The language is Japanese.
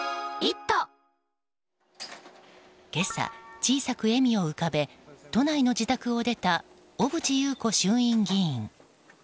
今朝、小さく笑みを浮かべ都内の自宅を出た小渕優子衆院議員。